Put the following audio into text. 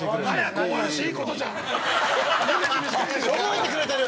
覚えてくれてる。